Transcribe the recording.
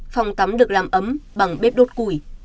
phòng tắm được làm ấm bằng bếp đốt củi